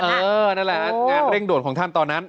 เออนั่นแหละงานเร่งโดดของท่านตอนนั้น